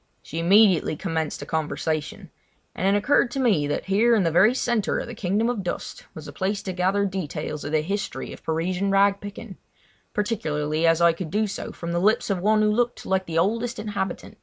She immediately commenced a conversation; and it occurred to me that here in the very centre of the Kingdom of Dust was the place to gather details of the history of Parisian rag picking—particularly as I could do so from the lips of one who looked like the oldest inhabitant.